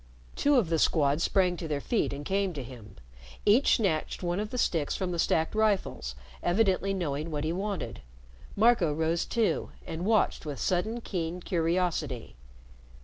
Two of the Squad sprang to their feet and came to him. Each snatched one of the sticks from the stacked rifles, evidently knowing what he wanted. Marco rose too, and watched with sudden, keen curiosity.